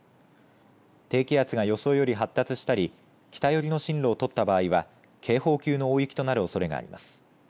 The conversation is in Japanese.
低気圧が予想より発達したり北寄りの進路を取った場合は警報級の大雪となるおそれがあります。